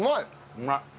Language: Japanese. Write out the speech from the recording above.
うまい！